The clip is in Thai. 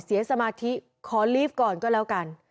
สมาธิขอลีฟก่อนก็แล้วกัน